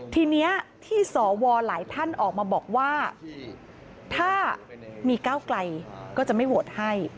ทีนี้ที่สวหลายท่านออกมาบอกว่าถ้ามีก้าวไกลก็จะไม่โหวตให้